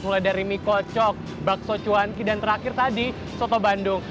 mulai dari mie kocok bakso cuanki dan terakhir tadi soto bandung